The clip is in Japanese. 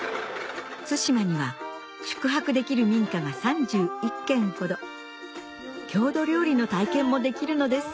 対馬には宿泊できる民家が３１軒ほど郷土料理の体験もできるのです